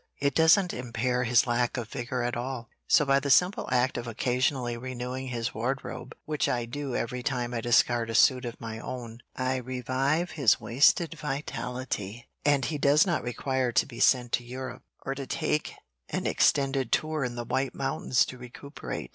It doesn't impair his lack of vigor at all. So by the simple act of occasionally renewing his wardrobe, which I do every time I discard a suit of my own, I revive his wasted vitality, and he does not require to be sent to Europe, or to take an extended tour in the White Mountains to recuperate.